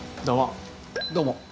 どうも。